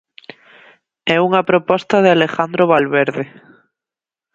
E unha proposta de Alejandro Valverde.